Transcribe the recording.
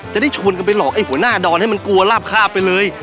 จะได้ชวนกันไปหลอกไอ้หัวหน้าดอนให้มันกลัวลาบคาบไปเลย